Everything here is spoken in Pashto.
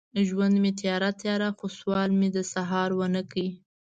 ژوند مې تیاره، تیاره، خو سوال مې د سهار ونه کړ